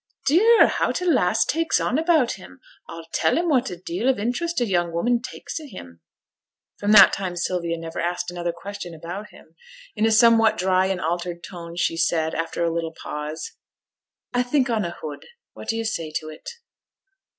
'Dear! how t' lass takes on about him. A'll tell him what a deal of interest a young woman taks i' him!' From that time Sylvia never asked another question about him. In a somewhat dry and altered tone, she said, after a little pause 'I think on a hood. What do you say to it?'